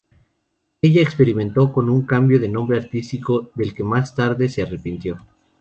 Ella experimentó con un cambio de nombre artístico del que más tarde se arrepintió.